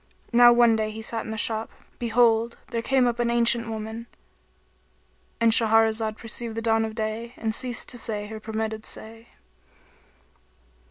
Now one day as he sat in the shop, behold, there came up an ancient woman.—And Shahrazad perceived the dawn of day and ceased to say her permitted say.